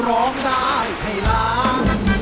ร้องได้ให้ล้าน